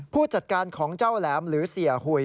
ผู้จัดการของเจ้าแหลมหรือเสียหุย